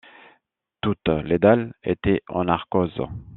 Toutes les dalles étaient en arkose.